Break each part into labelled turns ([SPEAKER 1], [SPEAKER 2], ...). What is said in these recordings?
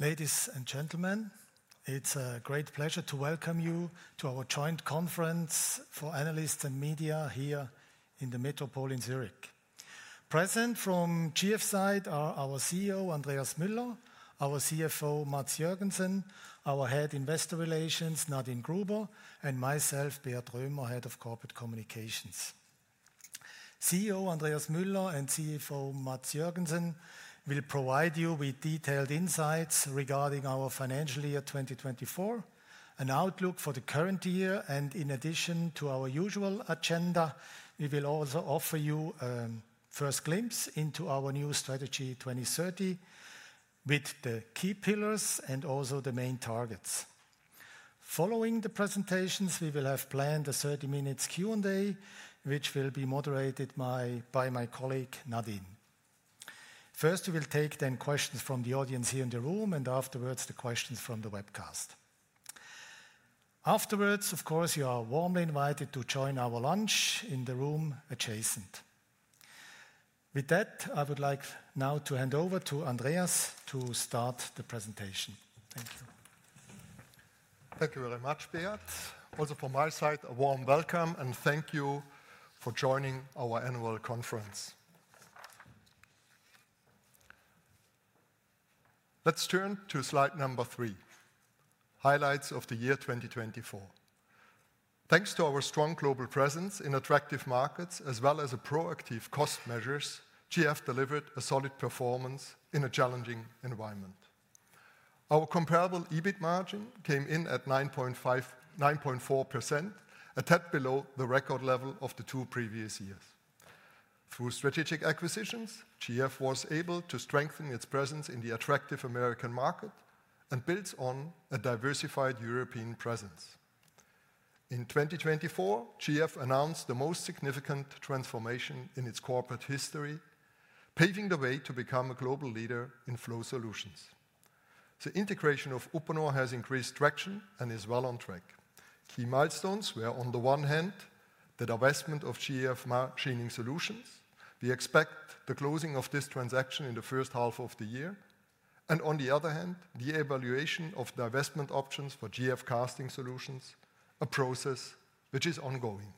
[SPEAKER 1] Ladies and gentlemen, it's a great pleasure to welcome you to our Joint Conference for Analysts and Media here in the Metropol in Zurich. Present from GF side are our CEO Andreas Müller, our CFO Mads Joergensen, our head investor relations Nadine Gruber, and myself, Beat Römer, head of corporate communications. CEO Andreas Müller and CFO Mads Joergensen will provide you with detailed insights regarding our financial year 2024, an outlook for the current year, and in addition to our usual agenda. We will also offer you a first glimpse into our new strategy 2030 with the key pillars and also the main targets. Following the presentations, we will have planned a 30-minute Q&A, which will be moderated by my colleague Nadine. First, we will take, then, questions from the audience here in the room, and afterwards the questions from the webcast. Afterwards, of course, you are warmly invited to join our lunch in the room adjacent. With that, I would like now to hand over to Andreas to start the presentation. Thank you.
[SPEAKER 2] Thank you very much, Beat. Also from my side, a warm welcome and thank you for joining our annual conference. Let's turn to slide number three, highlights of the year 2024. Thanks to our strong global presence in attractive markets, as well as proactive cost measures, GF delivered a solid performance in a challenging environment. Our comparable EBIT margin came in at 9.4%, a tad below the record level of the two previous years. Through strategic acquisitions, GF was able to strengthen its presence in the attractive American market and builds on a diversified European presence. In 2024, GF announced the most significant transformation in its corporate history, paving the way to become a global leader in flow solutions. The integration of Uponor has increased traction and is well on track. Key milestones were, on the one hand, the divestment of GF Machining Solutions. We expect the closing of this transaction in the first half of the year, and on the other hand, the evaluation of divestment options for GF Casting Solutions, a process which is ongoing.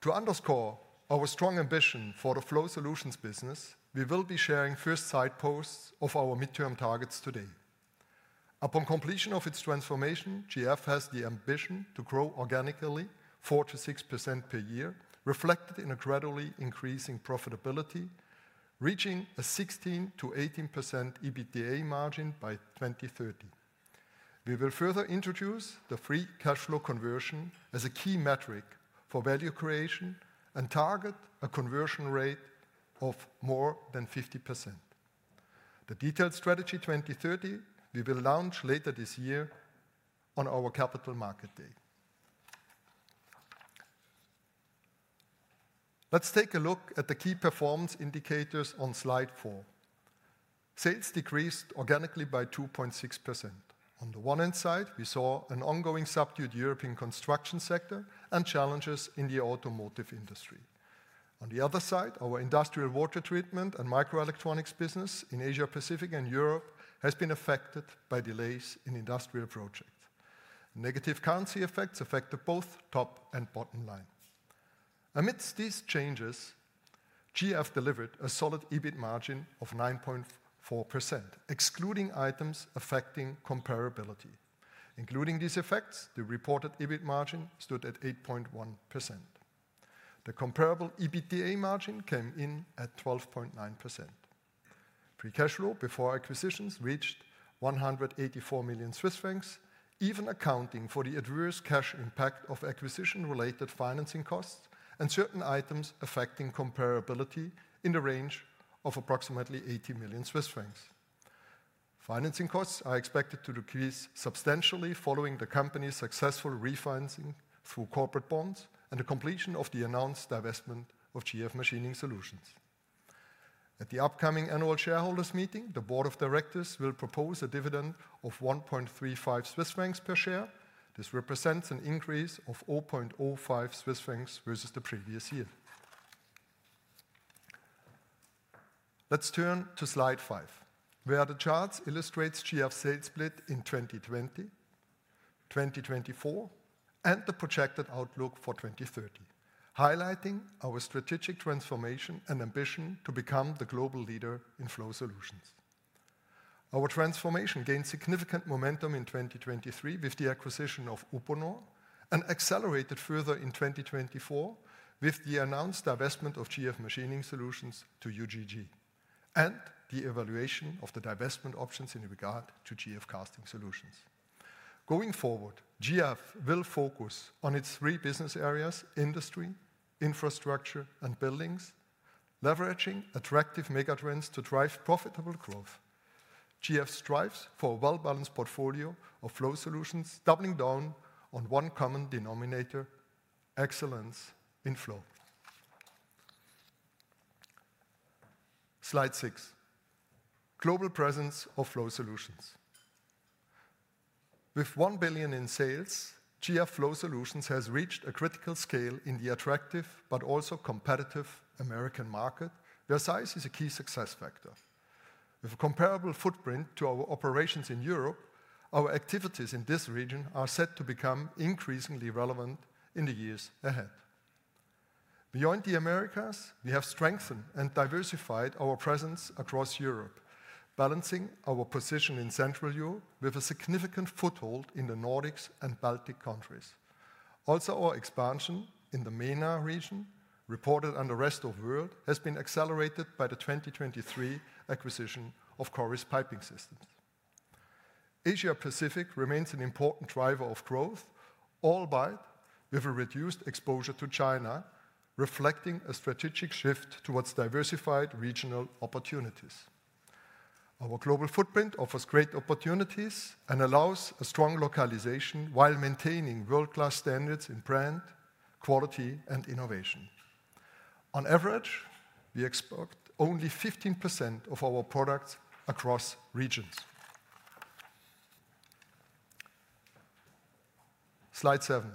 [SPEAKER 2] To underscore our strong ambition for the flow solutions business, we will be sharing first signposts of our midterm targets today. Upon completion of its transformation, GF has the ambition to grow organically 4%-6% per year, reflected in a gradually increasing profitability, reaching a 16%-18% EBITDA margin by 2030. We will further introduce the free cash flow conversion as a key metric for value creation and target a conversion rate of more than 50%. The detailed Strategy 2030, we will launch later this year on our Capital Market Day. Let's take a look at the key performance indicators on slide four. Sales decreased organically by 2.6%. On the one hand side, we saw an ongoing subdued European construction sector and challenges in the automotive industry. On the other side, our industrial water treatment and microelectronics business in Asia Pacific and Europe has been affected by delays in industrial projects. Negative currency effects affected both top and bottom line. Amidst these changes, GF delivered a solid EBIT margin of 9.4%, excluding items affecting comparability. Including these effects, the reported EBIT margin stood at 8.1%. The comparable EBITDA margin came in at 12.9%. Free cash flow before acquisitions reached 184 million Swiss francs, even accounting for the adverse cash impact of acquisition-related financing costs and certain items affecting comparability in the range of approximately 80 million Swiss francs. Financing costs are expected to decrease substantially following the company's successful refinancing through corporate bonds and the completion of the announced divestment of GF Machining Solutions. At the upcoming annual shareholders meeting, the board of directors will propose a dividend of 1.35 Swiss francs per share. This represents an increase of 0.05 Swiss francs versus the previous year. Let's turn to slide five, where the charts illustrate GF's sales split in 2020, 2024, and the projected outlook for 2030, highlighting our strategic transformation and ambition to become the global leader in flow solutions. Our transformation gained significant momentum in 2023 with the acquisition of Uponor and accelerated further in 2024 with the announced divestment of GF Machining Solutions to UGG and the evaluation of the divestment options in regard to GF Casting Solutions. Going forward, GF will focus on its three business areas: industry, infrastructure, and buildings, leveraging attractive megatrends to drive profitable growth. GF strives for a well-balanced portfolio of flow solutions, doubling down on one common denominator: excellence in flow. Slide six, global presence of flow solutions. With 1 billion in sales, GF flow solutions has reached a critical scale in the attractive but also competitive American market, where size is a key success factor. With a comparable footprint to our operations in Europe, our activities in this region are set to become increasingly relevant in the years ahead. Beyond the Americas, we have strengthened and diversified our presence across Europe, balancing our position in Central Europe with a significant foothold in the Nordics and Baltic countries. Also, our expansion in the MENA region, reported on the rest of the world, has been accelerated by the 2023 acquisition of Corys Piping Systems. Asia Pacific remains an important driver of growth, albeit with a reduced exposure to China, reflecting a strategic shift towards diversified regional opportunities. Our global footprint offers great opportunities and allows a strong localization while maintaining world-class standards in brand, quality, and innovation. On average, we export only 15% of our products across regions. Slide seven.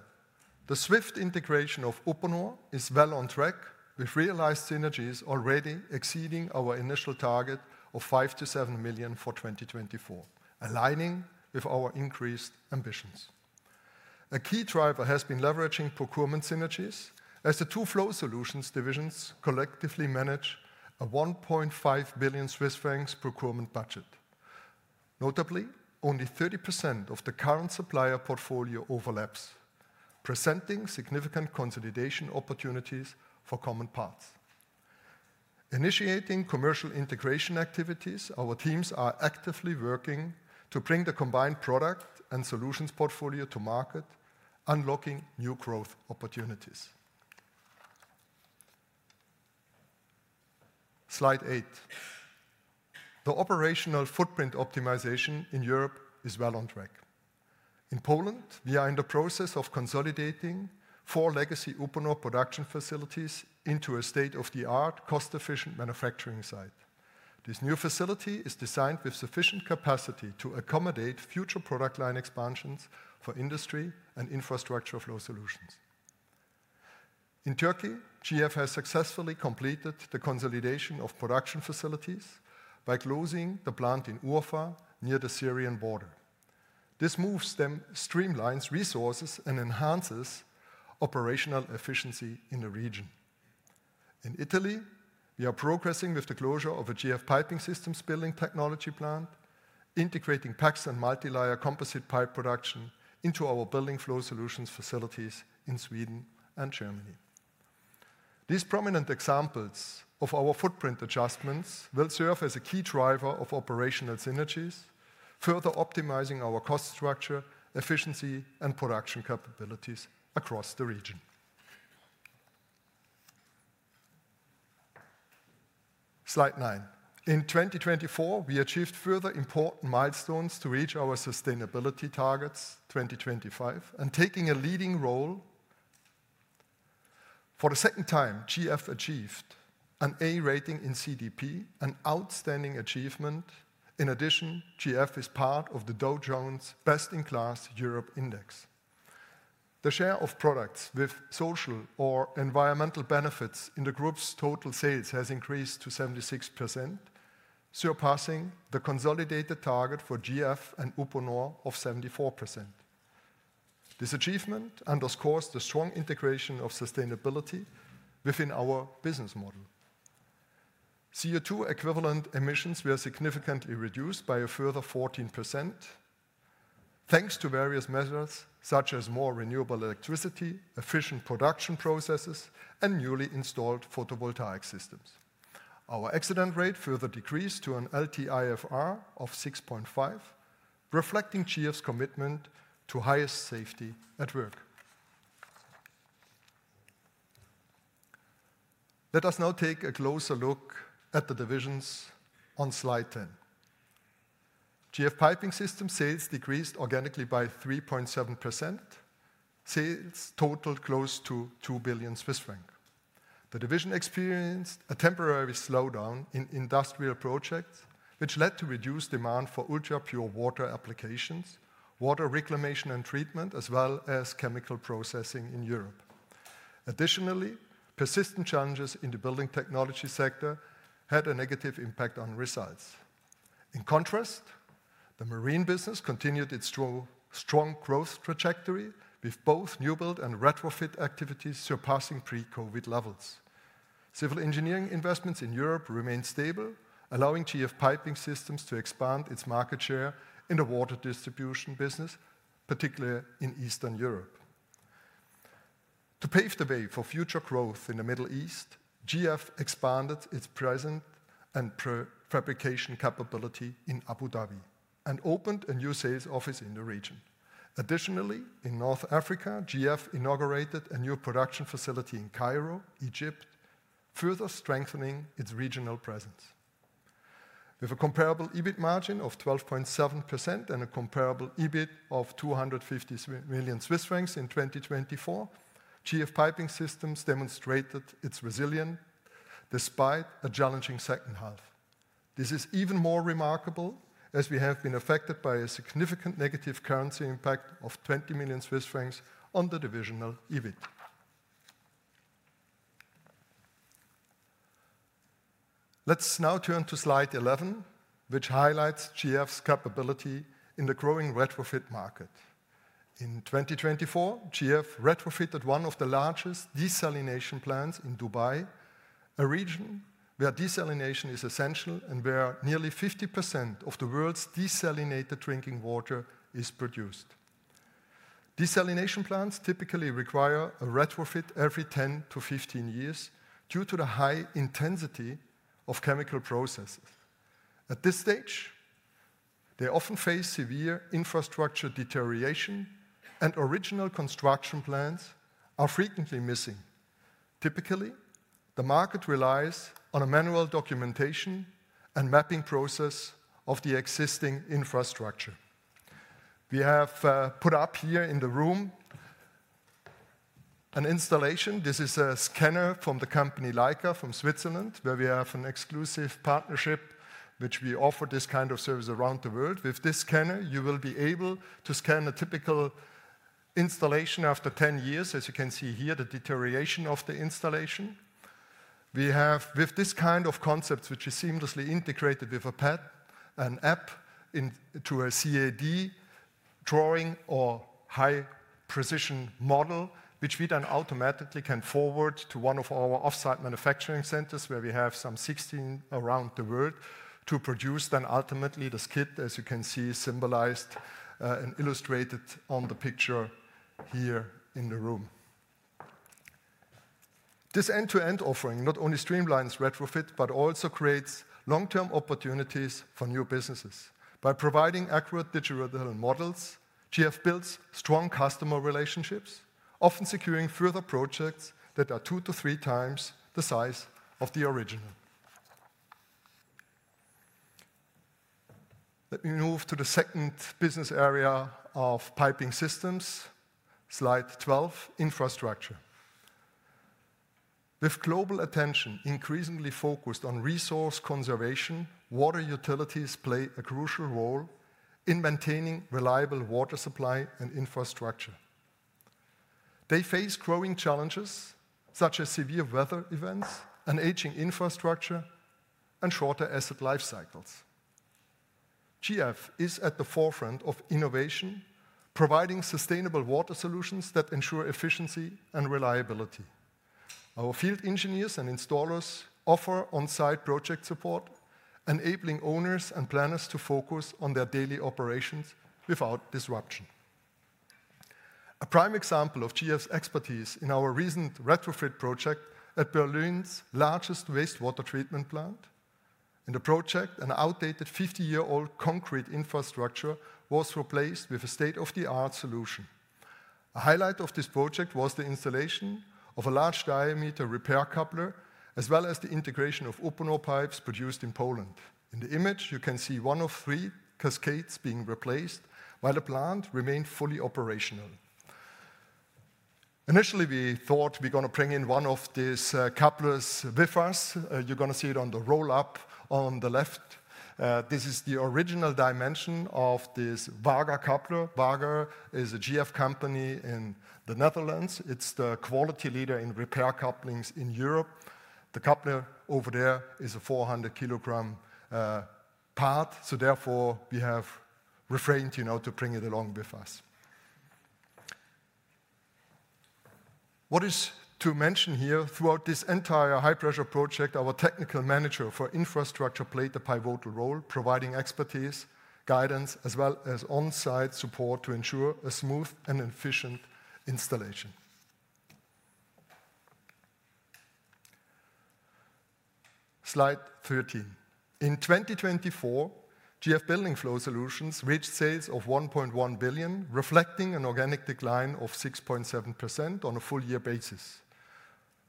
[SPEAKER 2] The swift integration of Uponor is well on track with realized synergies already exceeding our initial target of 5 million- 7 million for 2024, aligning with our increased ambitions. A key driver has been leveraging procurement synergies as the two flow solutions divisions collectively manage a 1.5 billion Swiss francs procurement budget. Notably, only 30% of the current supplier portfolio overlaps, presenting significant consolidation opportunities for common parts. Initiating commercial integration activities, our teams are actively working to bring the combined product and solutions portfolio to market, unlocking new growth opportunities. Slide eight. The operational footprint optimization in Europe is well on track. In Poland, we are in the process of consolidating four legacy Uponor production facilities into a state-of-the-art, cost-efficient manufacturing site. This new facility is designed with sufficient capacity to accommodate future product line expansions for industry and infrastructure flow solutions. In Turkey, GF has successfully completed the consolidation of production facilities by closing the plant in Urfa near the Syrian border. This move streamlines resources and enhances operational efficiency in the region. In Italy, we are progressing with the closure of a GF Piping Systems building technology plant, integrating PEX and multi-layer composite pipe production into our building flow solutions facilities in Sweden and Germany. These prominent examples of our footprint adjustments will serve as a key driver of operational synergies, further optimizing our cost structure, efficiency, and production capabilities across the region. Slide nine. In 2024, we achieved further important milestones to reach our sustainability targets 2025 and taking a leading role. For the second time, GF achieved an A rating in CDP, an outstanding achievement. In addition, GF is part of the Dow Jones Best-in-Class Europe Index. The share of products with social or environmental benefits in the group's total sales has increased to 76%, surpassing the consolidated target for GF and Uponor of 74%. This achievement underscores the strong integration of sustainability within our business model. CO2 equivalent emissions were significantly reduced by a further 14%, thanks to various measures such as more renewable electricity, efficient production processes, and newly installed photovoltaic systems. Our accident rate further decreased to an LTIFR of 6.5, reflecting GF's commitment to highest safety at work. Let us now take a closer look at the divisions on slide 10. GF Piping Systems sales decreased organically by 3.7%. Sales totaled close to 2 billion Swiss francs. The division experienced a temporary slowdown in industrial projects, which led to reduced demand for ultra-pure water applications, water reclamation and treatment, as well as chemical processing in Europe. Additionally, persistent challenges in the building technology sector had a negative impact on results. In contrast, the marine business continued its strong growth trajectory with both new build and retrofit activities surpassing pre-COVID levels. Civil engineering investments in Europe remained stable, allowing GF Piping Systems to expand its market share in the water distribution business, particularly in Eastern Europe. To pave the way for future growth in the Middle East, GF expanded its presence and fabrication capability in Abu Dhabi and opened a new sales office in the region. Additionally, in North Africa, GF inaugurated a new production facility in Cairo, Egypt, further strengthening its regional presence. With a comparable EBIT margin of 12.7% and a comparable EBIT of 253 million Swiss francs in 2024, GF Piping Systems demonstrated its resilience despite a challenging second half. This is even more remarkable as we have been affected by a significant negative currency impact of 20 million Swiss francs on the divisional EBIT. Let's now turn to slide 11, which highlights GF's capability in the growing retrofit market. In 2024, GF retrofitted one of the largest desalination plants in Dubai, a region where desalination is essential and where nearly 50% of the world's desalinated drinking water is produced. Desalination plants typically require a retrofit every 10-15 years due to the high intensity of chemical processes. At this stage, they often face severe infrastructure deterioration, and original construction plans are frequently missing. Typically, the market relies on a manual documentation and mapping process of the existing infrastructure. We have put up here in the room an installation. This is a scanner from the company Leica from Switzerland, where we have an exclusive partnership, which we offer this kind of service around the world. With this scanner, you will be able to scan a typical installation after 10 years, as you can see here, the deterioration of the installation. We have this kind of concept, which is seamlessly integrated with a PAD, an app to a CAD drawing or high precision model, which we then automatically can forward to one of our offsite manufacturing centers, where we have some 16 around the world to produce then ultimately the skid, as you can see symbolized and illustrated on the picture here in the room. This end-to-end offering not only streamlines retrofit, but also creates long-term opportunities for new businesses. By providing accurate digital models, GF builds strong customer relationships, often securing further projects that are two to three times the size of the original. Let me move to the second business area of piping systems, slide 12, infrastructure. With global attention increasingly focused on resource conservation, water utilities play a crucial role in maintaining reliable water supply and infrastructure. They face growing challenges such as severe weather events, an aging infrastructure, and shorter asset life cycles. GF is at the forefront of innovation, providing sustainable water solutions that ensure efficiency and reliability. Our field engineers and installers offer on-site project support, enabling owners and planners to focus on their daily operations without disruption. A prime example of GF's expertise is our recent retrofit project at Berlin's largest wastewater treatment plant. In the project, an outdated 50-year-old concrete infrastructure was replaced with a state-of-the-art solution. A highlight of this project was the installation of a large diameter repair coupler, as well as the integration of Uponor pipes produced in Poland. In the image, you can see one of three cascades being replaced while the plant remained fully operational. Initially, we thought we're going to bring in one of these couplers with us. You're going to see it on the roll-up on the left. This is the original dimension of this Wager coupler. Wager is a GF company in the Netherlands. It's the quality leader in repair couplings in Europe. The coupler over there is a 400kg part, so therefore we have refrained to bring it along with us. What is to mention here throughout this entire high-pressure project, our technical manager for infrastructure played a pivotal role, providing expertise, guidance, as well as on-site support to ensure a smooth and efficient installation. Slide 13. In 2024, GF Building Flow Solutions reached sales of 1.1 billion, reflecting an organic decline of 6.7% on a full-year basis.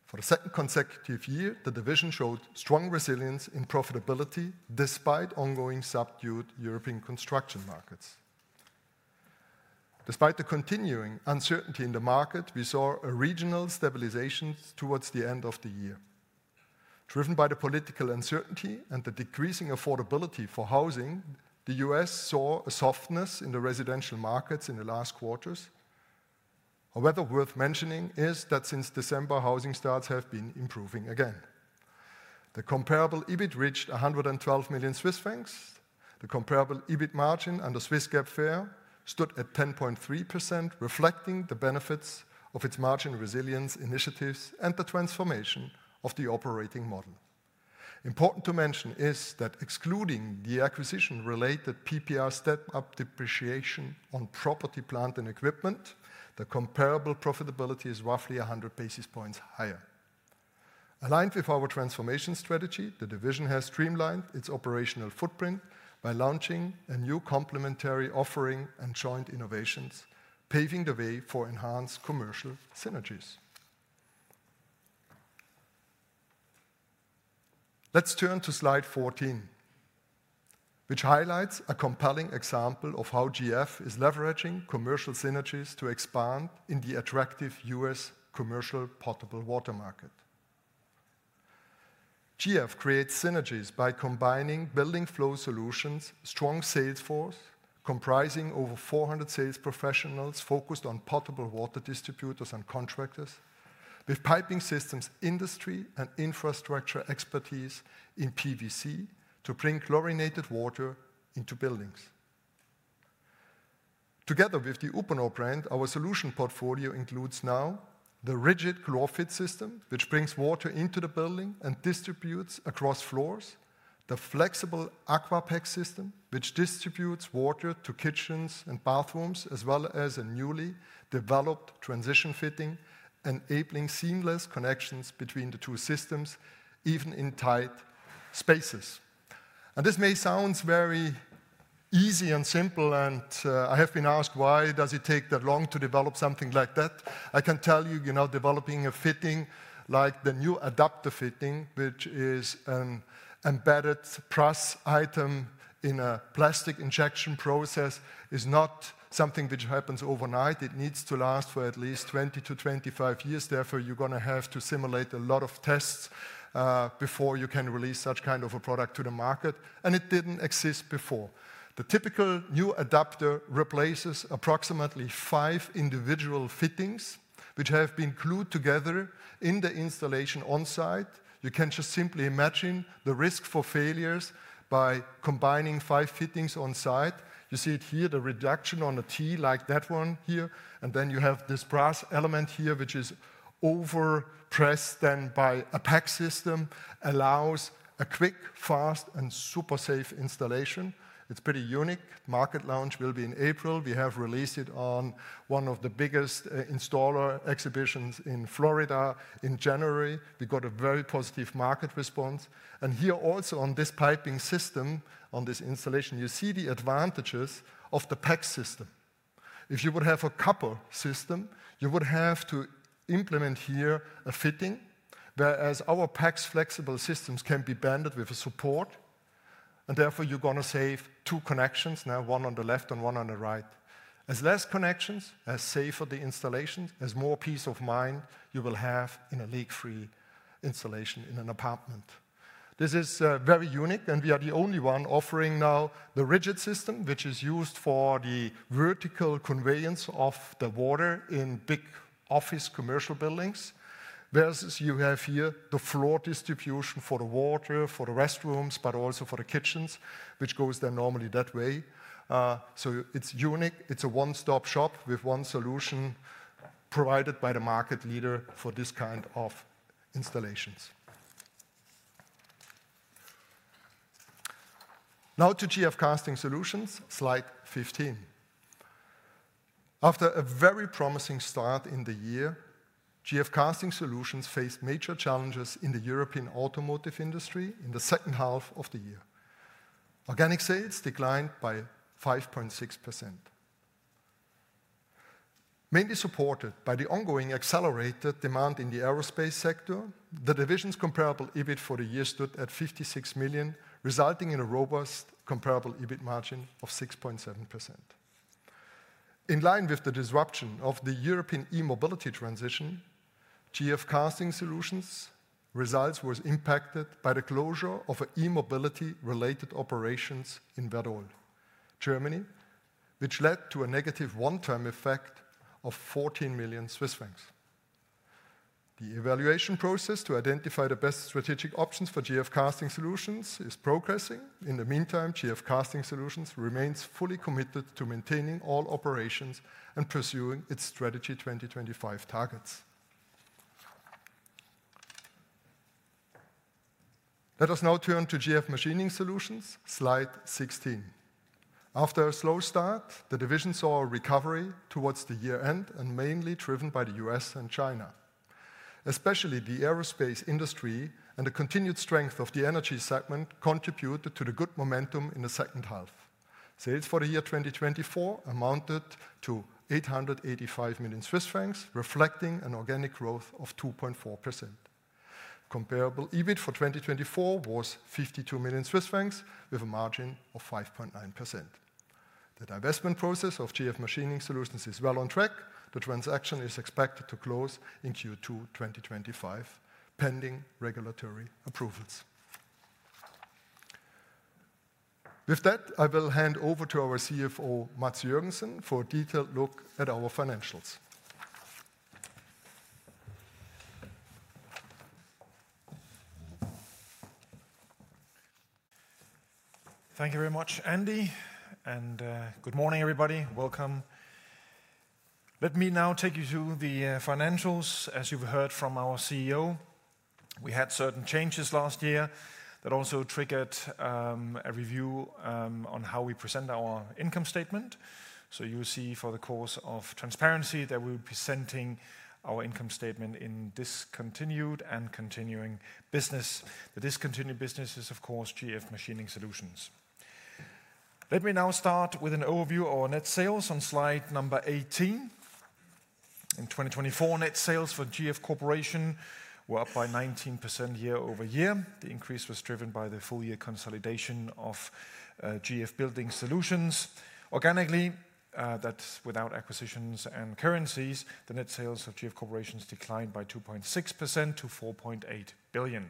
[SPEAKER 2] For the second consecutive year, the division showed strong resilience in profitability despite ongoing subdued European construction markets. Despite the continuing uncertainty in the market, we saw a regional stabilization towards the end of the year. Driven by the political uncertainty and the decreasing affordability for housing, the US saw a softness in the residential markets in the last quarters. However, worth mentioning is that since December, housing stats have been improving again. The comparable EBIT reached 112 million Swiss francs. The comparable EBIT margin under Swiss GAAP FER stood at 10.3%, reflecting the benefits of its margin resilience initiatives and the transformation of the operating model. Important to mention is that excluding the acquisition-related PPA step-up depreciation on property, plant, and equipment, the comparable profitability is roughly 100 basis points higher. Aligned with our transformation strategy, the division has streamlined its operational footprint by launching a new complementary offering and joint innovations, paving the way for enhanced commercial synergies. Let's turn to slide 14, which highlights a compelling example of how GF is leveraging commercial synergies to expand in the attractive US commercial potable water market. GF creates synergies by combining building flow solutions, strong sales force comprising over 400 sales professionals focused on potable water distributors and contractors, with piping systems industry and infrastructure expertise in PVC to bring chlorinated water into buildings. Together with the Uponor brand, our solution portfolio includes now the rigid ChlorFIT system, which brings water into the building and distributes across floors, the flexible Aqua PEX system, which distributes water to kitchens and bathrooms, as well as a newly developed transition fitting, enabling seamless connections between the two systems even in tight spaces. And this may sound very easy and simple, and I have been asked, why does it take that long to develop something like that? I can tell you, you know, developing a fitting like the new adapter fitting, which is an embedded press item in a plastic injection process, is not something which happens overnight. It needs to last for at least 20-25 years. Therefore, you're going to have to simulate a lot of tests before you can release such kind of a product to the market, and it didn't exist before. The typical new adapter replaces approximately five individual fittings, which have been glued together in the installation on-site. You can just simply imagine the risk for failures by combining five fittings on-site. You see it here, the reduction on a T like that one here, and then you have this brass element here, which is over-pressed then by a PEX system, allows a quick, fast, and super safe installation. It's pretty unique. Market launch will be in April. We have released it on one of the biggest installer exhibitions in Florida in January. We got a very positive market response and here also on this piping system, on this installation, you see the advantages of the PEX system. If you would have a copper system, you would have to implement here a fitting, whereas our PEX flexible systems can be banded with a support, and therefore you're going to save two connections, now one on the left and one on the right. As less connections, as safer the installation, as more peace of mind you will have in a leak-free installation in an apartment. This is very unique, and we are the only one offering now the rigid system, which is used for the vertical conveyance of the water in big office commercial buildings, versus you have here the floor distribution for the water, for the restrooms, but also for the kitchens, which goes there normally that way. So it's unique. It's a one-stop shop with one solution provided by the market leader for this kind of installations. Now to GF Casting Solutions, slide 15. After a very promising start in the year, GF Casting Solutions faced major challenges in the European automotive industry in the second half of the year. Organic sales declined by 5.6%. Mainly supported by the ongoing accelerated demand in the aerospace sector, the division's comparable EBIT for the year stood at 56 million, resulting in a robust comparable EBIT margin of 6.7%. In line with the disruption of the European e-mobility transition, GF Casting Solutions' results were impacted by the closure of e-mobility-related operations in Werdohl, Germany, which led to a negative one-time effect of 14 million Swiss francs. The evaluation process to identify the best strategic options for GF Casting Solutions is progressing. In the meantime, GF Casting Solutions remains fully committed to maintaining all operations and pursuing its Strategy 2025 targets. Let us now turn to GF Machining Solutions, slide 16. After a slow start, the division saw a recovery towards the year end and mainly driven by the US and China. Especially the aerospace industry and the continued strength of the energy segment contributed to the good momentum in the second half. Sales for the year 2024 amounted to 885 million Swiss francs, reflecting an organic growth of 2.4%. Comparable EBIT for 2024 was 52 million Swiss francs with a margin of 5.9%. The divestment process of GF Machining Solutions is well on track. The transaction is expected to close in Q2 2025, pending regulatory approvals. With that, I will hand over to our CFO, Mads Joergensen, for a detailed look at our financials.
[SPEAKER 3] Thank you very much, Andy, and good morning, everybody. Welcome. Let me now take you to the financials, as you've heard from our CEO. We had certain changes last year that also triggered a review on how we present our income statement. So you'll see for the course of transparency that we'll be presenting our income statement in discontinued and continuing business. The discontinued business is, of course, GF Machining Solutions. Let me now start with an overview of our net sales on slide number 18. In 2024, net sales for GF were up by 19% year-over-year. The increase was driven by the full-year consolidation of GF Building Solutions. Organically, that's without acquisitions and currencies, the net sales of GF declined by 2.6% to 4.8 billion.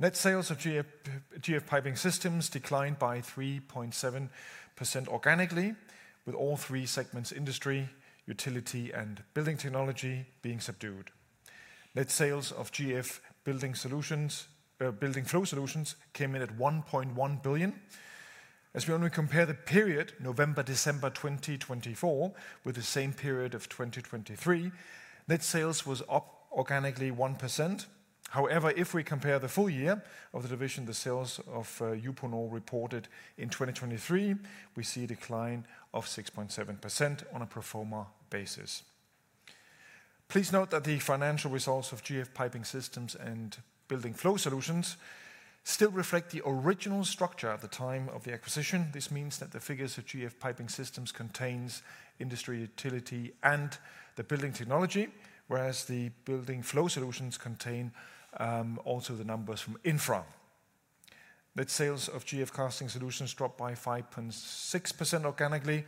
[SPEAKER 3] Net sales of GF Piping Systems declined by 3.7% organically, with all three segments: industry, utility, and building technology being subdued. Net sales of GF Building Flow Solutions came in at 1.1 billion. As we only compare the period November-December 2024 with the same period of 2023, net sales was up organically 1%. However, if we compare the full year of the division, the sales of Uponor reported in 2023, we see a decline of 6.7% on a pro forma basis. Please note that the financial results of GF Piping Systems and Building Flow Solutions still reflect the original structure at the time of the acquisition. This means that the figures of GF Piping Systems contain industry, utility, and the building technology, whereas the Building Flow Solutions contain also the numbers from infra. Net sales of GF Casting Solutions dropped by 5.6% organically,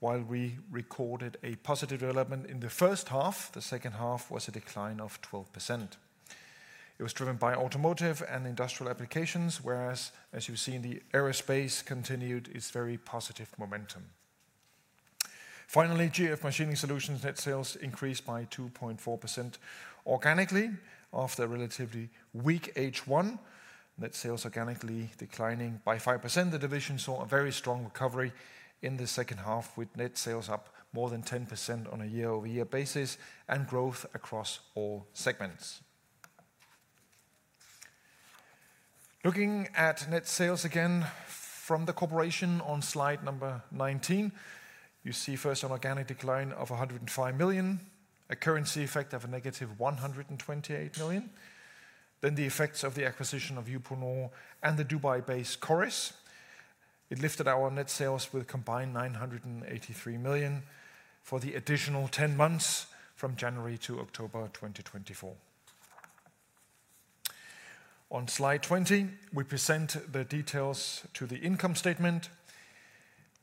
[SPEAKER 3] while we recorded a positive development in the first half. The second half was a decline of 12%. It was driven by automotive and industrial applications, whereas, as you see in the aerospace, continued its very positive momentum. Finally, GF Machining Solutions' net sales increased by 2.4% organically after a relatively weak H1. Net sales organically declining by 5%. The division saw a very strong recovery in the second half, with net sales up more than 10% on a year-over-year basis and growth across all segments. Looking at net sales again from the corporation on slide number 19, you see first an organic decline of 105 million, a currency effect of a -128 million. Then the effects of the acquisition of Uponor and the Dubai-based Corys. It lifted our net sales with combined 983 million for the additional 10 months from January to October 2024. On slide 20, we present the details to the income statement.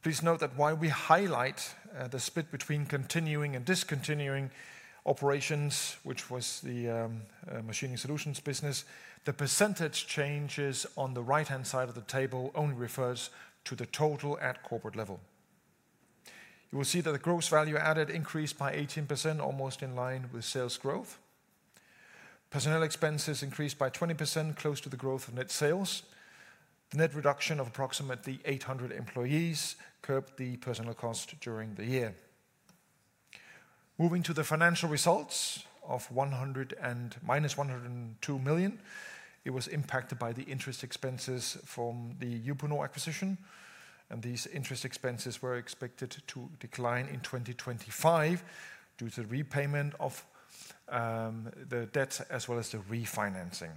[SPEAKER 3] Please note that while we highlight the split between continuing and discontinuing operations, which was the machining solutions business, the percentage changes on the right-hand side of the table only refers to the total at corporate level. You will see that the gross value added increased by 18%, almost in line with sales growth. Personnel expenses increased by 20%, close to the growth of net sales. The net reduction of approximately 800 employees curbed the personnel costs during the year. Moving to the financial results of -102 million, it was impacted by the interest expenses from the Uponor acquisition, and these interest expenses were expected to decline in 2025 due to the repayment of the debt as well as the refinancing.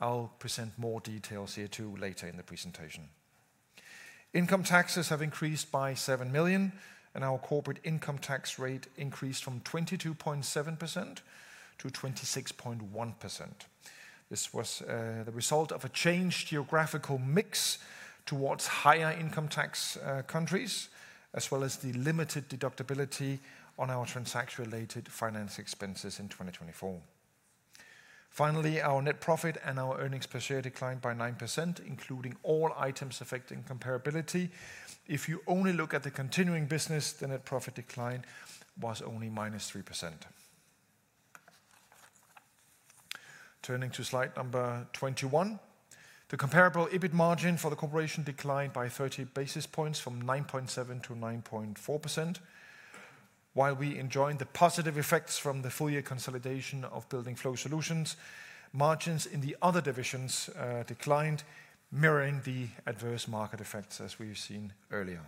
[SPEAKER 3] I'll present more details here too later in the presentation. Income taxes have increased by 7 million, and our corporate income tax rate increased from 22.7% to 26.1%. This was the result of a changed geographical mix towards higher income tax countries, as well as the limited deductibility on our transaction-related finance expenses in 2024. Finally, our net profit and our earnings per share declined by 9%, including all items affecting comparability. If you only look at the continuing business, the net profit decline was only -3%. Turning to slide number 21, the comparable EBIT margin for the corporation declined by 30 basis points from 9.7% to 9.4%. While we enjoyed the positive effects from the full-year consolidation of Building Flow Solutions, margins in the other divisions declined, mirroring the adverse market effects as we've seen earlier.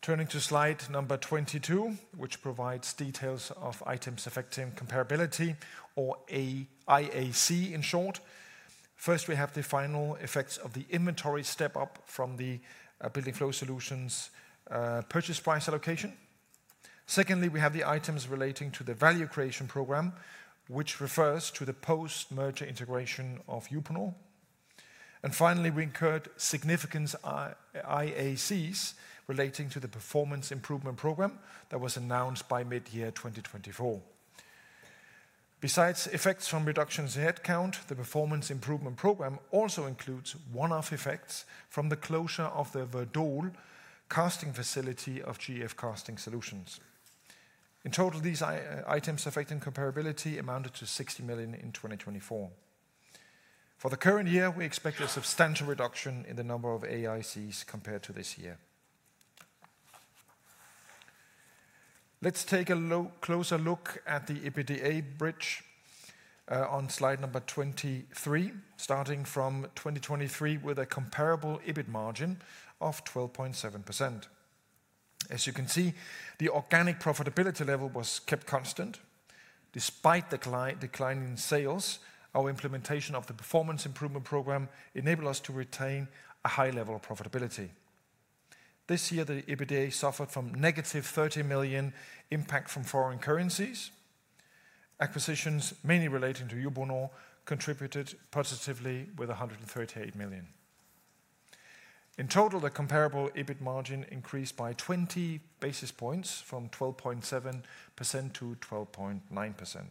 [SPEAKER 3] Turning to slide number 22, which provides details of items affecting comparability, or IAC in short. First, we have the final effects of the inventory step-up from the Building Flow Solutions purchase price allocation. Secondly, we have the items relating to the value creation program, which refers to the post-merger integration of Uponor. And finally, we incurred significant IACS relating to the performance improvement program that was announced by mid-year 2024. Besides effects from reductions in headcount, the performance improvement program also includes one-off effects from the closure of the Werdohl casting facility of GF Casting Solutions. In total, these items affecting comparability amounted to 60 million in 2024. For the current year, we expect a substantial reduction in the number of IACS compared to this year. Let's take a closer look at the EBITDA bridge on slide number 23, starting from 2023 with a comparable EBIT margin of 12.7%. As you can see, the organic profitability level was kept constant. Despite the decline in sales, our implementation of the performance improvement program enabled us to retain a high level of profitability. This year, the EBITDA suffered from -30 million impact from foreign currencies. Acquisitions, mainly relating to Uponor, contributed positively with 138 million. In total, the comparable EBIT margin increased by 20 basis points from 12.7% to 12.9%.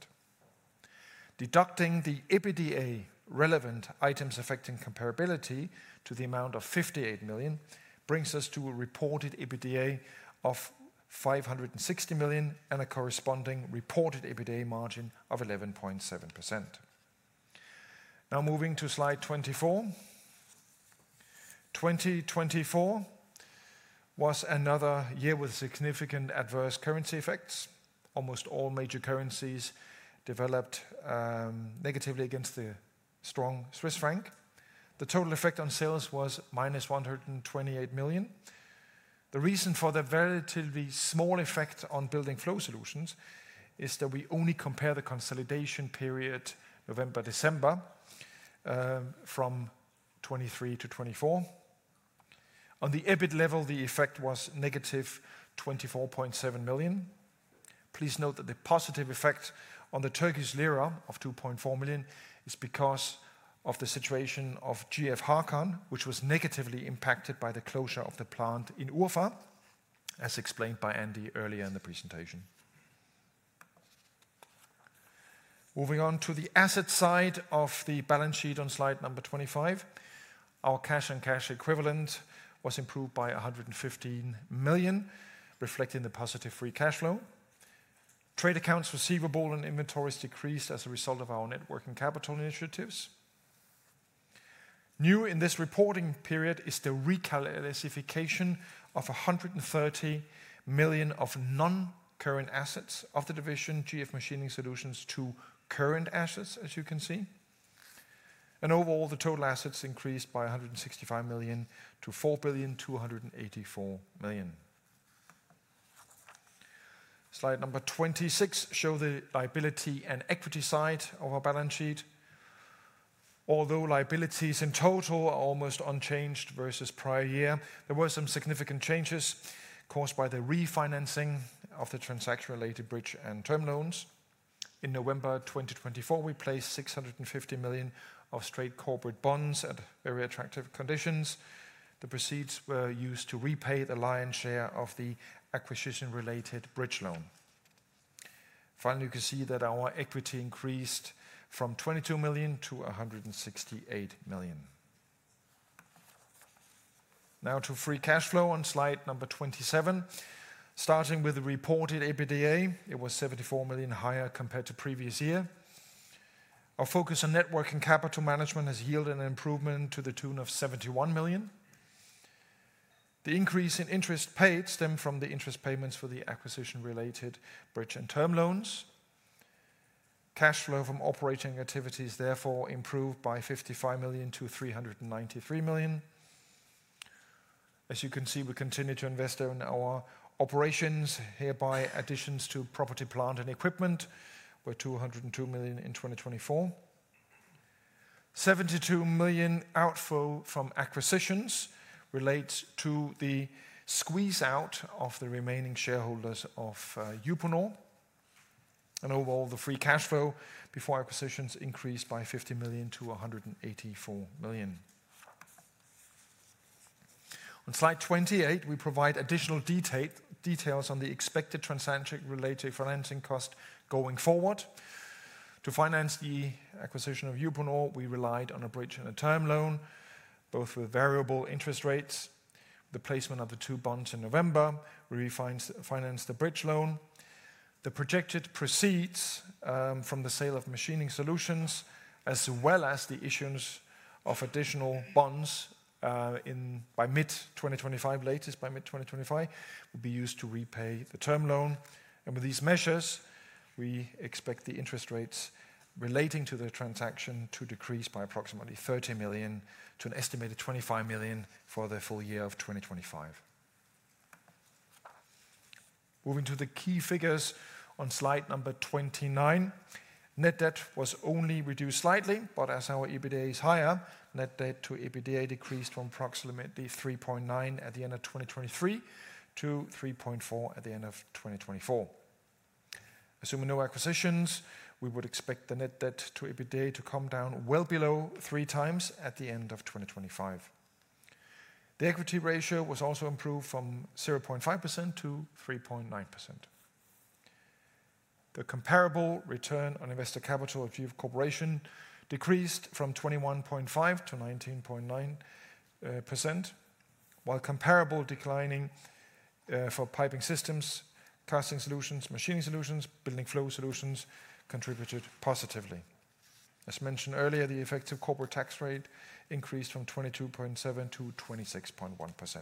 [SPEAKER 3] Deducting the EBITDA relevant items affecting comparability to the amount of 58 million brings us to a reported EBITDA of 560 million and a corresponding reported EBITDA margin of 11.7%. Now moving to slide 24. 2024 was another year with significant adverse currency effects. Almost all major currencies developed negatively against the strong Swiss franc. The total effect on sales was -128 million. The reason for the relatively small effect on building flow solutions is that we only compare the consolidation period November-December from 2023 to 2024. On the EBIT level, the effect was -24.7 million. Please note that the positive effect on the Turkish lira of 2.4 million is because of the situation of GF Hakan, which was negatively impacted by the closure of the plant in Urfa, as explained by Andy earlier in the presentation. Moving on to the asset side of the balance sheet on slide number 25, our cash and cash equivalent was improved by 115 million, reflecting the positive free cash flow. Trade accounts receivable and inventories decreased as a result of our net working capital initiatives. New in this reporting period is the reclassification of 130 million of non-current assets of the division, GF Machining Solutions to current assets, as you can see. Overall, the total assets increased by 165 million to 4,284 million. Slide number 26 shows the liability and equity side of our balance sheet. Although liabilities in total are almost unchanged versus prior year, there were some significant changes caused by the refinancing of the transaction-related bridge and term loans. In November 2024, we placed 650 million of straight corporate bonds at very attractive conditions. The proceeds were used to repay the lion's share of the acquisition-related bridge loan. Finally, you can see that our equity increased from 22 million to 168 million. Now to free cash flow on slide number 27. Starting with the reported EBITDA, it was 74 million higher compared to previous year. Our focus on net working capital management has yielded an improvement to the tune of 71 million. The increase in interest paid stemmed from the interest payments for the acquisition-related bridge and term loans. Cash flow from operating activities therefore improved by 55 million to 393 million. As you can see, we continue to invest in our operations. Hereby, additions to property, plant, and equipment were 202 million in 2024. 72 million outflow from acquisitions relates to the squeeze-out of the remaining shareholders of Uponor, and overall, the free cash flow before acquisitions increased by 50 million to 184 million. On slide 28, we provide additional details on the expected transaction-related financing cost going forward. To finance the acquisition of Uponor, we relied on a bridge and a term loan, both with variable interest rates. The placement of the two bonds in November. We refinanced the bridge loan. The projected proceeds from the sale of Machining Solutions, as well as the issuance of additional bonds by mid-2025, latest by mid-2025, will be used to repay the term loan. And with these measures, we expect the interest rates relating to the transaction to decrease by approximately 30 million to an estimated 25 million for the full year of 2025. Moving to the key figures on slide number 29, net debt was only reduced slightly, but as our EBITDA is higher, net debt to EBITDA decreased from approximately 3.9 at the end of 2023 to 3.4 at the end of 2024. Assuming no acquisitions, we would expect the net debt to EBITDA to come down well below three times at the end of 2025. The equity ratio was also improved from 0.5% to 3.9%. The comparable return on investor capital of Uponor Corporation decreased from 21.5% to 19.9%, while comparable declining for Piping Systems, Casting Solutions, Machining Solutions, and building flow solutions contributed positively. As mentioned earlier, the effective corporate tax rate increased from 22.7% to 26.1%.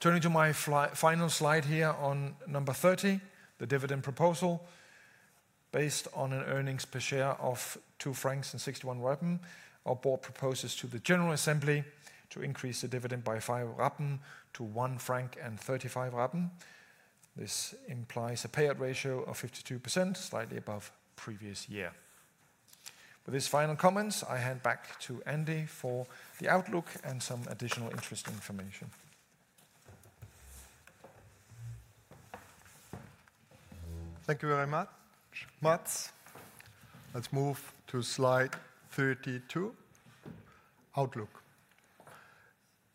[SPEAKER 3] Turning to my final slide here on number 30, the dividend proposal. Based on an Earnings Per Share of 2.61 francs, our board proposes to the General Assembly to increase the dividend by 5.05 to 1.35 franc. This implies a payout ratio of 52%, slightly above previous year. With these final comments, I hand back to Andy for the outlook and some additional interest information.
[SPEAKER 2] Thank you very much, Mads. Let's move to slide 32, outlook.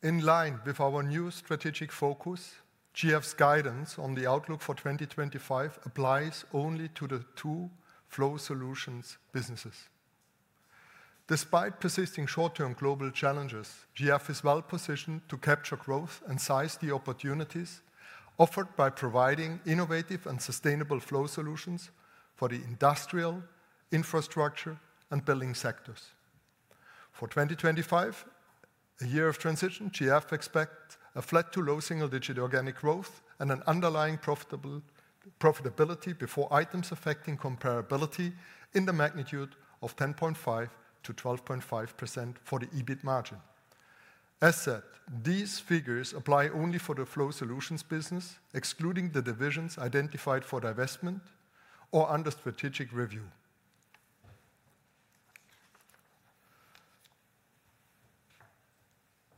[SPEAKER 2] In line with our new strategic focus, GF's guidance on the outlook for 2025 applies only to the two flow solutions businesses. Despite persisting short-term global challenges, GF is well positioned to capture growth and size the opportunities offered by providing innovative and sustainable flow solutions for the industrial, infrastructure, and building sectors. For 2025, a year of transition, GF expects a flat to low single-digit organic growth and an underlying profitability before items affecting comparability in the magnitude of 10.5%-12.5% for the EBIT margin. As said, these figures apply only for the flow solutions business, excluding the divisions identified for divestment or under strategic review.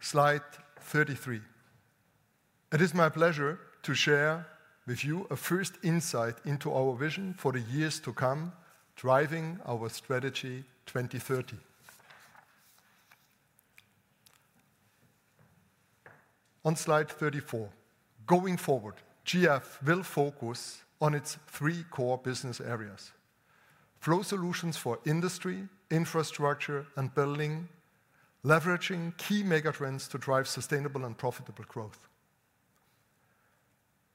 [SPEAKER 2] Slide 33. It is my pleasure to share with you a first insight into our vision for the years to come, driving our Strategy 2030. On slide 34, going forward, GF will focus on its three core business areas: flow solutions for industry, infrastructure, and building, leveraging key megatrends to drive sustainable and profitable growth.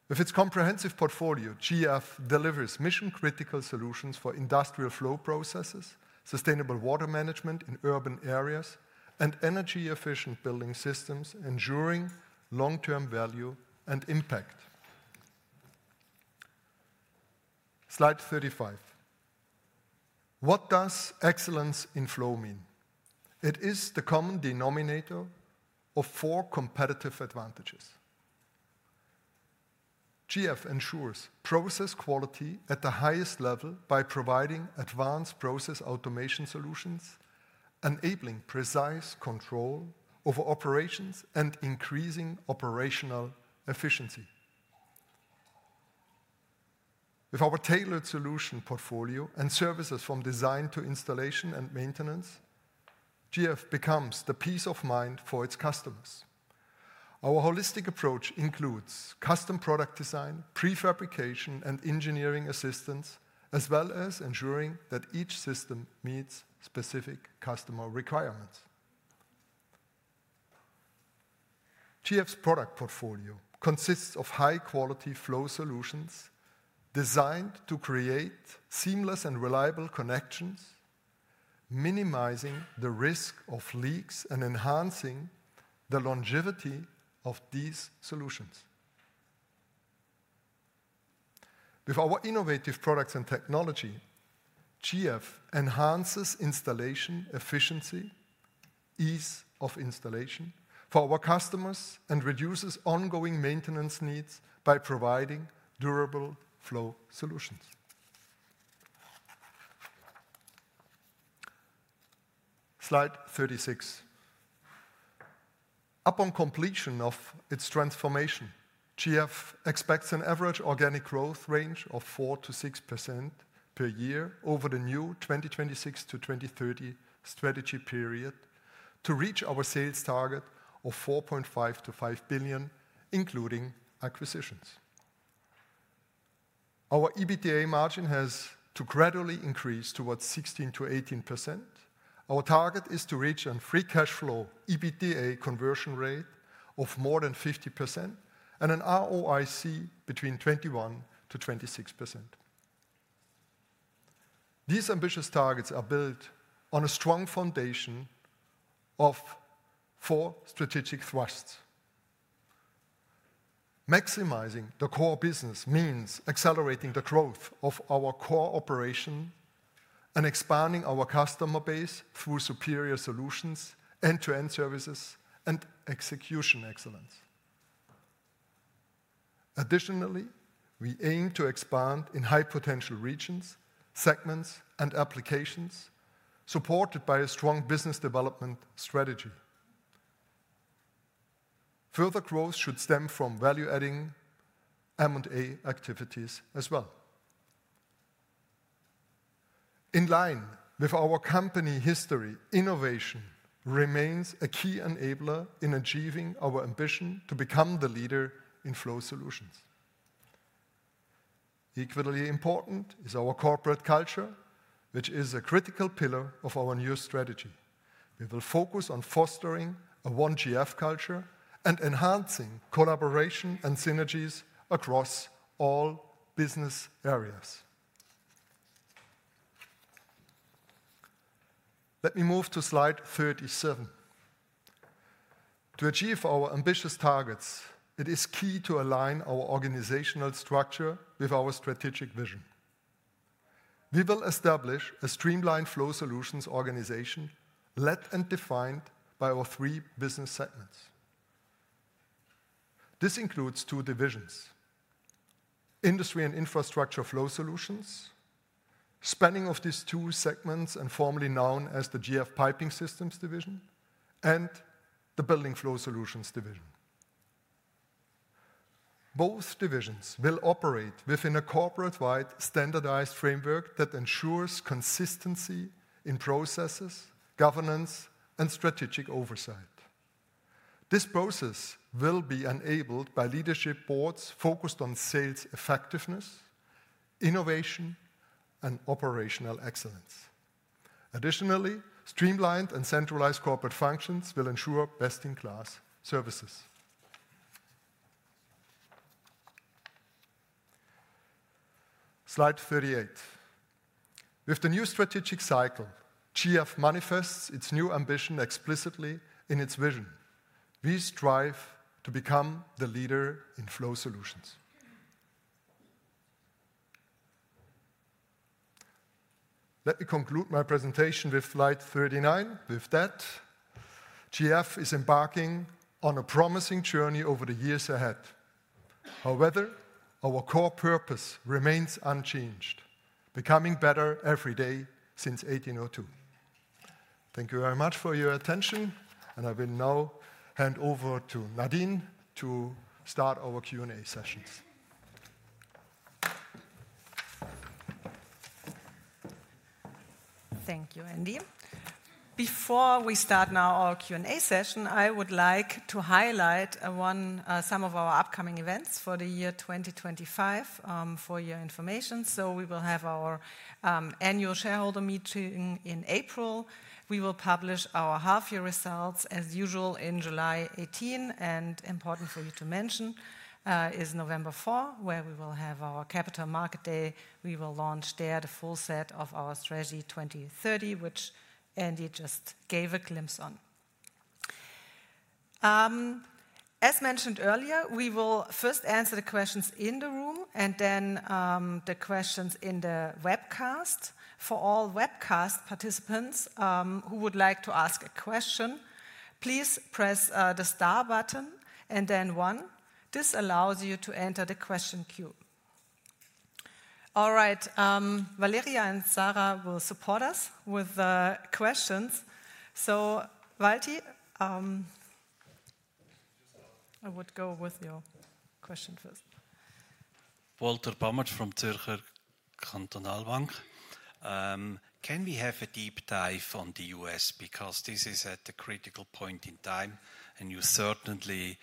[SPEAKER 2] With its comprehensive portfolio, GF delivers mission-critical solutions for industrial flow processes, sustainable water management in urban areas, and energy-efficient building systems, ensuring long-term value and impact. Slide 35. What does excellence in flow mean? It is the common denominator of four competitive advantages. GF ensures process quality at the highest level by providing advanced process automation solutions, enabling precise control over operations and increasing operational efficiency. With our tailored solution portfolio and services from design to installation and maintenance, GF becomes the peace of mind for its customers. Our holistic approach includes custom product design, prefabrication, and engineering assistance, as well as ensuring that each system meets specific customer requirements. GF's product portfolio consists of high-quality flow solutions designed to create seamless and reliable connections, minimizing the risk of leaks and enhancing the longevity of these solutions. With our innovative products and technology, GF enhances installation efficiency, ease of installation for our customers, and reduces ongoing maintenance needs by providing durable flow solutions. Slide 36. Upon completion of its transformation, GF expects an average organic growth range of 4%-6% per year over the new 2026 to 2030 strategy period to reach our sales target of 4.5 billion to 5 billion, including acquisitions. Our EBITDA margin has to gradually increase towards 16%-18%. Our target is to reach a free cash flow EBITDA conversion rate of more than 50% and an ROIC between 21% to 26%. These ambitious targets are built on a strong foundation of four strategic thrusts. Maximizing the core business means accelerating the growth of our core operation and expanding our customer base through superior solutions, end-to-end services, and execution excellence. Additionally, we aim to expand in high-potential regions, segments, and applications supported by a strong business development strategy. Further growth should stem from value-adding M&A activities as well. In line with our company history, innovation remains a key enabler in achieving our ambition to become the leader in flow solutions. Equally important is our corporate culture, which is a critical pillar of our new strategy. We will focus on fostering a one-GF culture and enhancing collaboration and synergies across all business areas. Let me move to slide 37. To achieve our ambitious targets, it is key to align our organizational structure with our strategic vision. We will establish a streamlined flow solutions organization led and defined by our three business segments. This includes two divisions: industry and infrastructure flow solutions, spanning of these two segments and formerly known as the GF Piping Systems division, and the Building Flow Solutions division. Both divisions will operate within a corporate-wide standardized framework that ensures consistency in processes, governance, and strategic oversight. This process will be enabled by leadership boards focused on sales effectiveness, innovation, and operational excellence. Additionally, streamlined and centralized corporate functions will ensure best-in-class services. Slide 38. With the new strategic cycle, GF manifests its new ambition explicitly in its vision. We strive to become the leader in flow solutions. Let me conclude my presentation with slide 39. With that, GF is embarking on a promising journey over the years ahead. However, our core purpose remains unchanged, becoming better every day since 1802. Thank you very much for your attention, and I will now hand over to Nadine to start our Q&A sessions.
[SPEAKER 4] Thank you, Andy. Before we start now our Q&A session, I would like to highlight some of our upcoming events for the year 2025 for your information. So we will have our annual shareholder meeting in April. We will publish our half-year results as usual on 18 July. And important for you to mention is 4 November, where we will have our Capital Market Day. We will launch there the full set of our Strategy 2030, which Andy just gave a glimpse on. As mentioned earlier, we will first answer the questions in the room and then the questions in the webcast. For all webcast participants who would like to ask a question, please press the star button and then one. This allows you to enter the question queue. All right, Valentina and Sarah will support us with the questions. So, Valentina, I would go with your question first.
[SPEAKER 5] Walter Bamert from Zürcher Kantonalbank. Can we have a deep dive on the US? Because this is at a critical point in time, and you certainly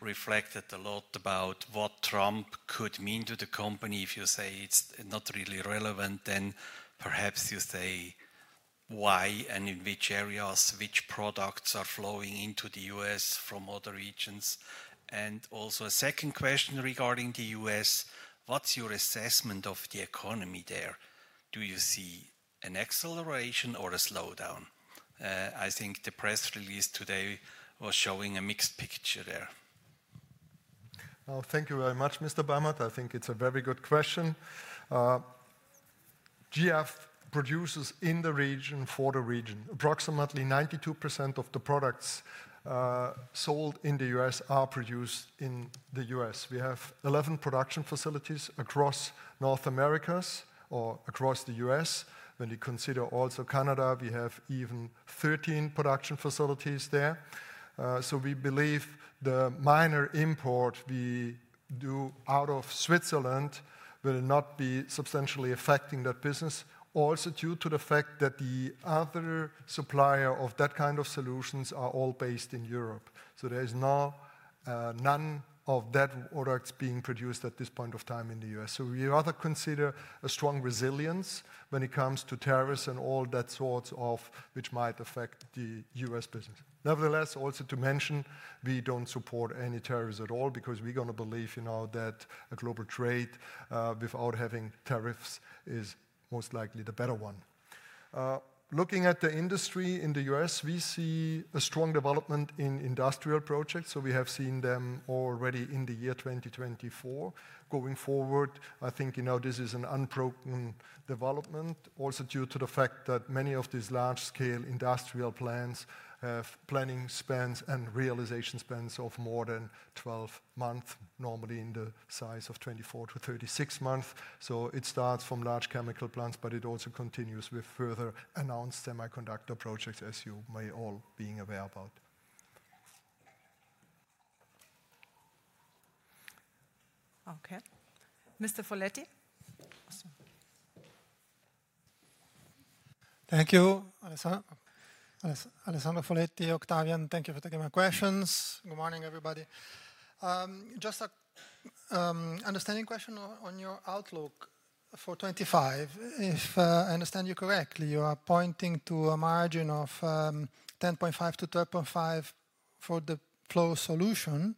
[SPEAKER 5] reflected a lot about what Trump could mean to the company. If you say it's not really relevant, then perhaps you say why and in which areas which products are flowing into the US from other regions. And also a second question regarding the US, what's your assessment of the economy there? Do you see an acceleration or a slowdown? I think the press release today was showing a mixed picture there.
[SPEAKER 2] Thank you very much, Mr. Bamert. I think it's a very good question. GF produces in the region for the region. Approximately 92% of the products sold in the US are produced in the US We have 11 production facilities across North America or across the US. When we consider also Canada, we have even 13 production facilities there. So we believe the minor import we do out of Switzerland will not be substantially affecting that business, also due to the fact that the other supplier of that kind of solutions are all based in Europe. So there is now none of that products being produced at this point of time in the US. So we rather consider a strong resilience when it comes to tariffs and all that sorts of which might affect the US business. Nevertheless, also to mention, we don't support any tariffs at all because we're going to believe that a global trade without having tariffs is most likely the better one. Looking at the industry in the US we see a strong development in industrial projects. So we have seen them already in the year 2024. Going forward, I think this is an unbroken development, also due to the fact that many of these large-scale industrial plans have planning spans and realization spans of more than 12 months, normally in the size of 24-36 months. So it starts from large chemical plants, but it also continues with further announced semiconductor projects, as you may all be aware about.
[SPEAKER 4] Okay, Mr. Foletti.
[SPEAKER 6] Thank you, Alessandro Foletti, Octavian. Thank you for taking my questions. Good morning, everybody. Just an understanding question on your outlook for 2025. If I understand you correctly, you are pointing to a margin of 10.5% to 12.5% for the flow solution.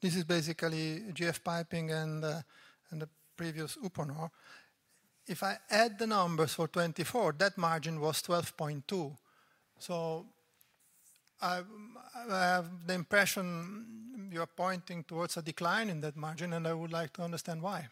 [SPEAKER 6] This is basically GF Piping and the previous Uponor. If I add the numbers for 2024, that margin was 12.2%. So I have the impression you are pointing towards a decline in that margin, and I would like to understand why.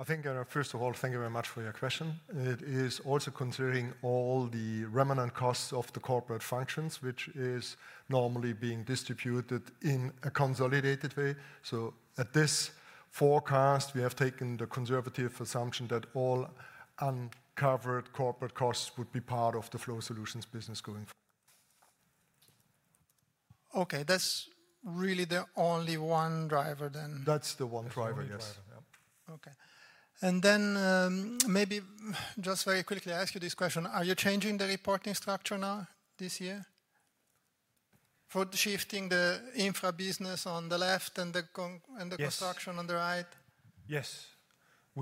[SPEAKER 2] I think, first of all, thank you very much for your question. It is also considering all the remnant costs of the corporate functions, which is normally being distributed in a consolidated way. So at this forecast, we have taken the conservative assumption that all uncovered corporate costs would be part of the flow solutions business going forward.
[SPEAKER 6] Okay, that's really the only one driver then.
[SPEAKER 2] That's the one driver, yes.
[SPEAKER 6] Okay. And then maybe just very quickly I ask you this question. Are you changing the reporting structure now this year for shifting the infra business on the left and the construction on the right?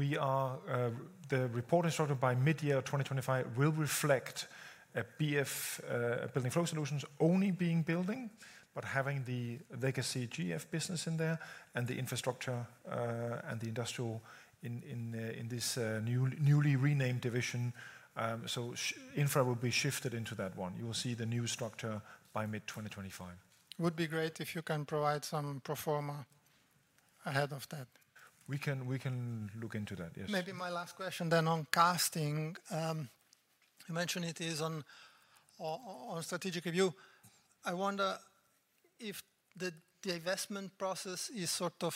[SPEAKER 3] Yes, the reporting structure by mid-year 2025 will reflect a GF Building Flow Solutions only being building, but having the legacy GF business in there and the infrastructure and the industrial in this newly renamed division. So infra will be shifted into that one. You will see the new structure by mid-2025.
[SPEAKER 6] It would be great if you can provide some pro forma ahead of that.
[SPEAKER 3] We can look into that, yes.
[SPEAKER 6] Maybe my last question then on casting. You mentioned it is on strategic review. I wonder if the investment process is sort of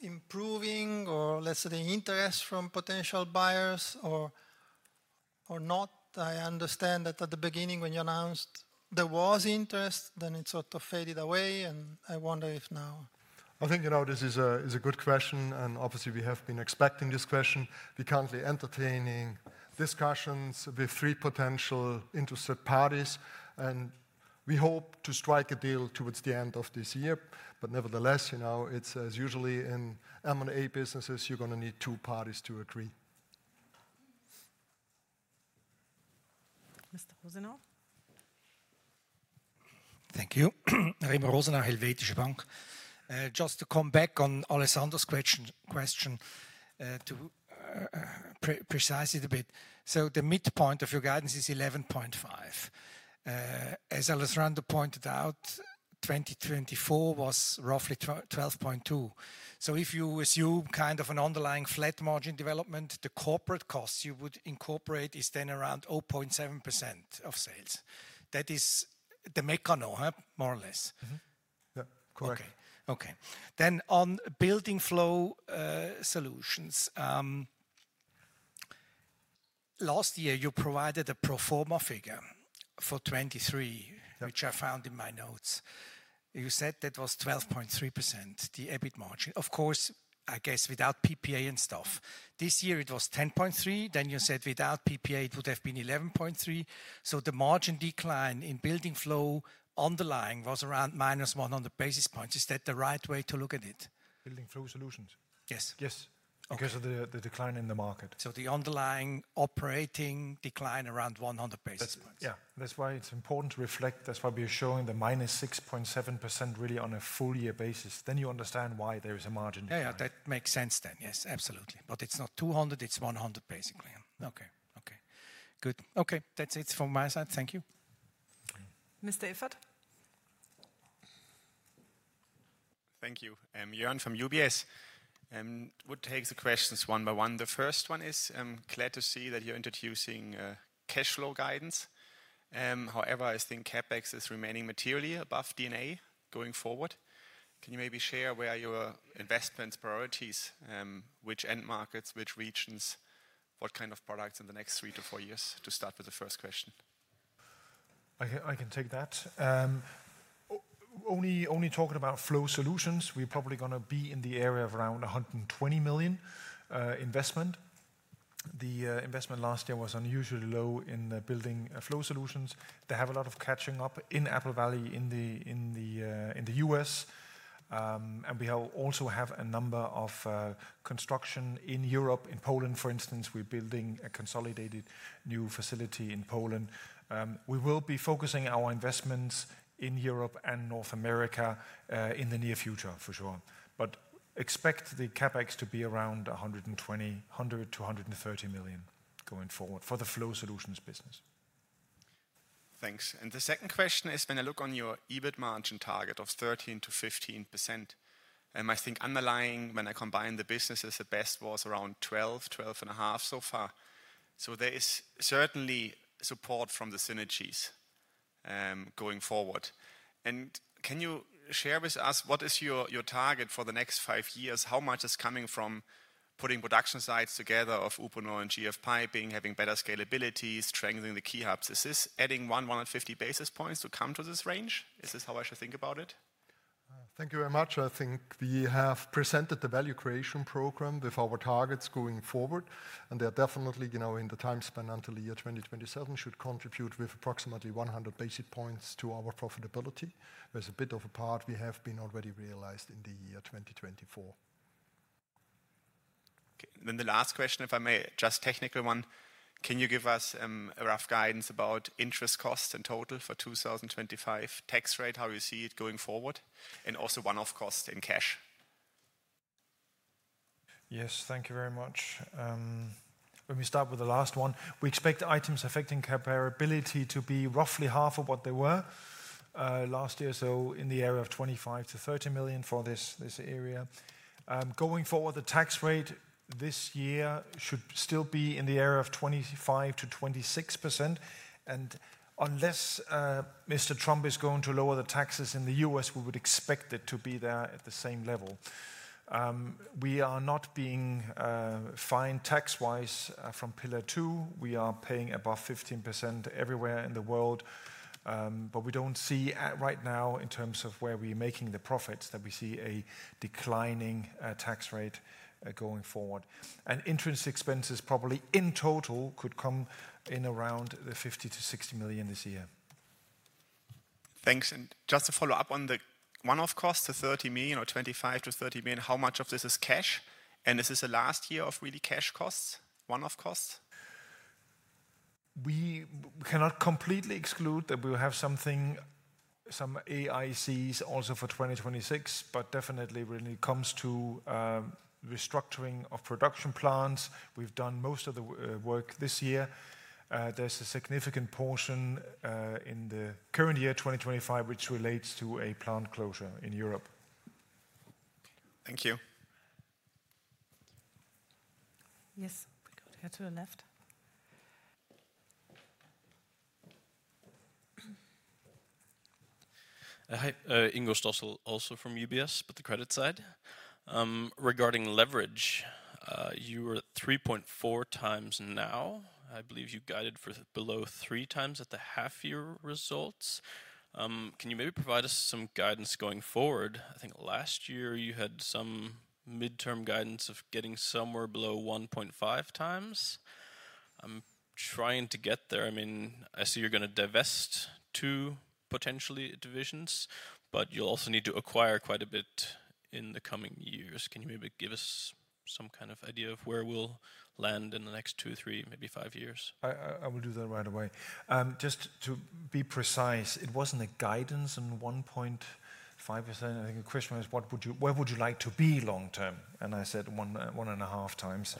[SPEAKER 6] improving or less of the interest from potential buyers or not. I understand that at the beginning when you announced there was interest, then it sort of faded away. And I wonder if now.
[SPEAKER 2] I think this is a good question. And obviously, we have been expecting this question. We're currently entertaining discussions with three potential interested parties. And we hope to strike a deal towards the end of this year. But nevertheless, as usually in M&A businesses, you're going to need two parties to agree.
[SPEAKER 4] Mr. Rosenau.
[SPEAKER 7] Thank you. I'm Rosenau, Helvetische Bank. Just to come back on Alessandro's question precisely a bit. So the midpoint of your guidance is 11.5%. As Alessandro pointed out, 2024 was roughly 12.2%. So if you assume kind of an underlying flat margin development, the corporate cost you would incorporate is then around 0.7% of sales. That is the Meccano, more or less.
[SPEAKER 2] Yeah, correct.
[SPEAKER 7] Okay. Then on Building Flow Solutions, last year you provided a pro forma figure for 2023, which I found in my notes. You said that was 12.3%, the EBIT margin. Of course, I guess without PPA and stuff. This year it was 10.3%. Then you said without PPA, it would have been 11.3%. So the margin decline in Building Flow underlying was around -100 basis points. Is that the right way to look at it?
[SPEAKER 2] Building Flow Solutions. Yes. Yes. Because of the decline in the market.
[SPEAKER 7] So the underlying operating decline around 100 basis points.
[SPEAKER 2] Yeah. That's why it's important to reflect. That's why we're showing the -6.7% really on a full year basis. Then you understand why there is a margin decline.
[SPEAKER 7] Yeah, that makes sense then.
[SPEAKER 2] Yes, absolutely. But it's not 200, it's 100 basically.
[SPEAKER 7] Okay. Okay. Good. Okay. That's it from my side. Thank you.
[SPEAKER 4] Mr. Iffert.
[SPEAKER 8] Thank you. I'm Joern from UBS. I would take the questions one by one. The first one is glad to see that you're introducing cash flow guidance. However, I think CapEx is remaining materially above D&A going forward. Can you maybe share where your investment priorities, which end markets, which regions, what kind of products in the next three to four years to start with the first question?
[SPEAKER 3] I can take that. Only talking about flow solutions, we're probably going to be in the area of around 120 million investment. The investment last year was unusually low in Building Flow Solutions. They have a lot of catching up in Apple Valley in the US, and we also have a number of construction in Europe. In Poland, for instance, we're building a consolidated new facility in Poland. We will be focusing our investments in Europe and North America in the near future for sure, but expect the CapEx to be around 120 million, 100 million to 130 million going forward for the flow solutions business.
[SPEAKER 8] Thanks. The second question is, when I look on your EBIT margin target of 13% to 15%. I think underlying, when I combine the businesses, at best was around 12, 12.5 so far. So there is certainly support from the synergies going forward. And can you share with us what is your target for the next five years? How much is coming from putting production sites together of Uponor and GF Piping, having better scalability, strengthening the key hubs? Is this adding 150 basis points to come to this range? Is this how I should think about it?
[SPEAKER 2] Thank you very much. I think we have presented the value creation program with our targets going forward. And they are definitely in the time span until the year 2027 should contribute with approximately 100 basis points to our profitability. There's a bit of a part we have been already realized in the year 2024.
[SPEAKER 8] Then the last question, if I may, just technical one. Can you give us a rough guidance about interest costs in total for 2025 tax rate, how you see it going forward? And also one-off costs in cash.
[SPEAKER 3] Yes, thank you very much. Let me start with the last one. We expect the items affecting comparability to be roughly half of what they were last year, so in the area of 25 million to 30 million for this area. Going forward, the tax rate this year should still be in the area of 25% to 26%. And unless Mr. Trump is going to lower the taxes in the US we would expect it to be there at the same level. We are not being fined tax-wise from Pillar Two. We are paying above 15% everywhere in the world. But we don't see right now in terms of where we're making the profits that we see a declining tax rate going forward. And intrinsic expenses probably in total could come in around 50 million to 60 million this year.
[SPEAKER 8] Thanks. And just to follow up on the one-off cost, the 30 million or 25 million to 30 million, how much of this is cash? And this is the last year of really cash costs, one-off costs?
[SPEAKER 3] We cannot completely exclude that we will have some IACS also for 2026, but definitely when it comes to restructuring of production plants, we've done most of the work this year. There's a significant portion in the current year, 2025, which relates to a plant closure in Europe.
[SPEAKER 8] Thank you.
[SPEAKER 4] Yes, we got here to the left.
[SPEAKER 9] Hi, Ingo [StoBel] also from UBS, but the credit side. Regarding leverage, you were 3.4x now. I believe you guided for below three times at the half-year results. Can you maybe provide us some guidance going forward? I think last year you had some midterm guidance of getting somewhere below 1.5x. I'm trying to get there. I mean, I see you're going to divest two potentially divisions, but you'll also need to acquire quite a bit in the coming years. Can you maybe give us some kind of idea of where we'll land in the next two, three, maybe five years?
[SPEAKER 2] I will do that right away. Just to be precise, it wasn't a guidance on 1.5%. I think the question was, where would you like to be long-term? And I said one and a half times.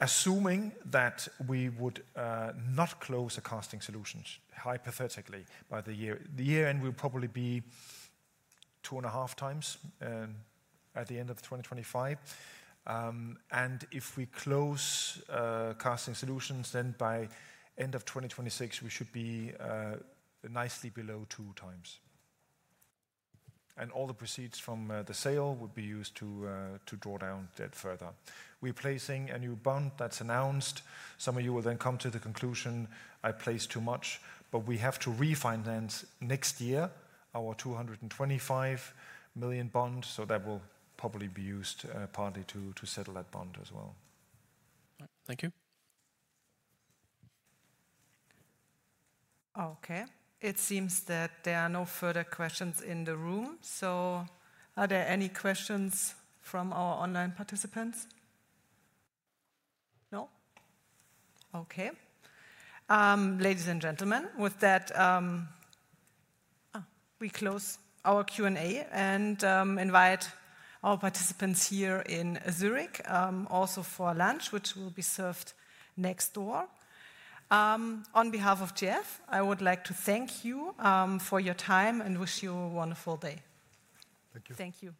[SPEAKER 2] Assuming that we would not close the Casting Solutions hypothetically by the year, the year end will probably be 2.5x at the end of 2025. And if we close Casting Solutions, then by end of 2026, we should be nicely below 2x.
[SPEAKER 3] And all the proceeds from the sale would be used to draw down debt further. We're placing a new bond that's announced. Some of you will then come to the conclusion, I placed too much, but we have to refinance next year our 225 million bond. So that will probably be used partly to settle that bond as well.
[SPEAKER 9] Thank you.
[SPEAKER 4] Okay. It seems that there are no further questions in the room. So are there any questions from our online participants? No? Okay. Ladies and gentlemen, with that, we close our Q&A and invite our participants here in Zurich also for lunch, which will be served next door. On behalf of GF, I would like to thank you for your time and wish you a wonderful day. Thank you.
[SPEAKER 2] Thank you.